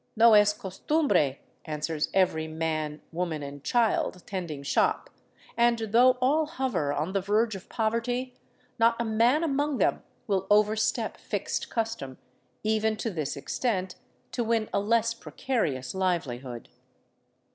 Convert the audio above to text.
*' No es costumbre," answers every man, woman, and child tending shop, and though all hover on the verge of poverty, not a man among them will overstep fixed custom, even to this extent, to win a less pre carious livelihood.